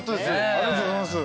ありがとうございます。